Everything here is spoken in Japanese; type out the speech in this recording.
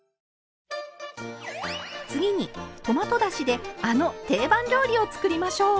次にトマトだしであの定番料理を作りましょう。